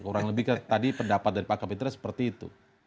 kurang lebih tadi pendapat dari pak kapitra seperti itu